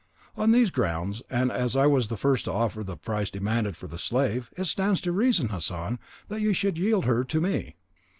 On these grounds, and as I was the first to offer the price demanded for the slave, it stands to reason, Hassan, that you should yield her to me."